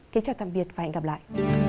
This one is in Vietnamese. kính chào tạm biệt và hẹn gặp lại